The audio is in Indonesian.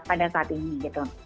pada saat ini gitu